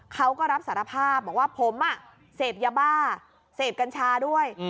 เขาก็รับสารภาพบอกว่าผมเสพยาบ้าเสพกัญชาด้วย